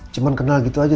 cuman kenal gitu aja